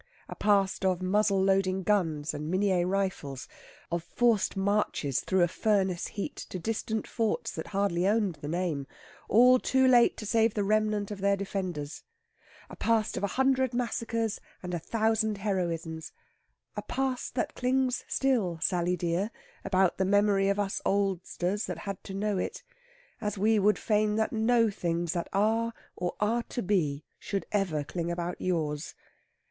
A past of muzzle loading guns and Minié rifles, of forced marches through a furnace heat to distant forts that hardly owned the name, all too late to save the remnant of their defenders; a past of a hundred massacres and a thousand heroisms; a past that clings still, Sally dear, about the memory of us oldsters that had to know it, as we would fain that no things that are, or are to be, should ever cling about yours.